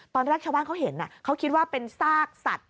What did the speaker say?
ตอนแรกชาวบ้านเขาเห็นเขาคิดว่าเป็นซากสัตว์